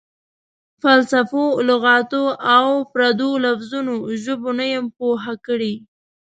فلسفو، لغاتو او پردو لفظونو ژبو نه یم پوه کړی.